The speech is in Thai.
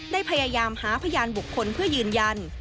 พยายามหาพยานบุคคลเพื่อยืนยัน